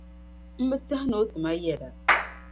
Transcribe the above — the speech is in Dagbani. N bi tiɛhi ni o tima yɛda.